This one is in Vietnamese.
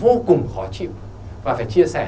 vô cùng khó chịu và phải chia sẻ